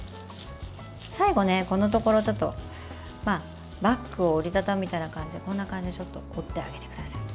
最後このところ、ちょっとバッグを折り畳むみたいな感じでこんな感じで折ってあげてください。